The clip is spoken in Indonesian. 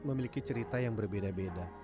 memiliki cerita yang berbeda beda